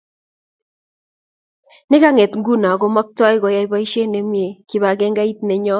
Nekanget nguno ko maktoi koyai boishet nemie kibangengeit nenyoni